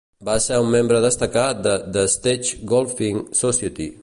Va ser un membre destacat de The Stage Golfing Society.